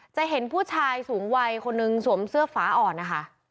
จะเห็นผู้ชายสูงวัยคนหนึ่งสวมเสื้อฝาอ่อนนะคะ